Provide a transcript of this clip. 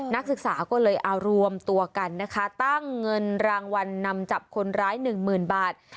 นักศึกษาก็เลยเอารวมตัวกันนะคะตั้งเงินรางวัลนำจับคนร้ายหนึ่งหมื่นบาท